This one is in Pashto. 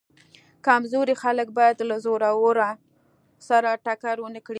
کمزوري خلک باید له زورورو سره ټکر ونه کړي.